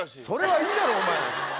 それはいいだろお前！